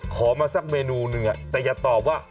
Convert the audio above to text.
ขอมาสักเมนูนึงแต่อย่าตอบว่า